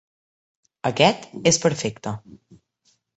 Aquest és perfecte.